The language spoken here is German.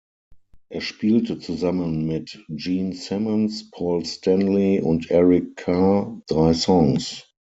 Er spielte zusammen mit Gene Simmons, Paul Stanley und Eric Carr drei Songs.